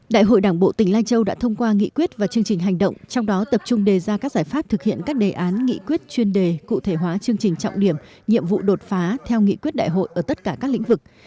đại hội đảng bộ tỉnh lai châu đã thông qua nghị quyết và chương trình hành động trong đó tập trung đề ra các giải pháp thực hiện các đề án nghị quyết chuyên đề cụ thể hóa chương trình trọng điểm nhiệm vụ đột phá theo nghị quyết đại hội ở tất cả các lĩnh vực